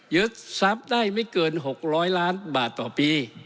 ยึดทรัพย์ได้ไม่เกิน๖๐๐ล้านบาทต่อปี